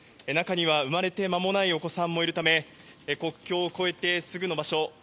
中には、生まれて間もないお子さんもいるため国境を越えてすぐの場所